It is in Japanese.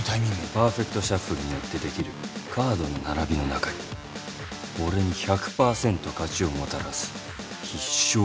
パーフェクトシャッフルによってできるカードの並びの中に俺に１００％勝ちをもたらす必勝パターンがある。